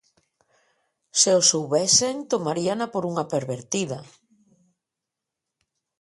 Se o soubesen tomaríana por unha pervertida.